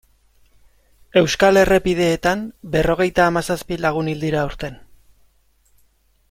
Euskal errepideetan berrogeita hamazazpi lagun hil dira aurten.